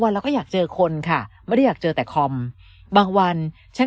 เราก็อยากเจอคนค่ะไม่ได้อยากเจอแต่คอมบางวันฉัน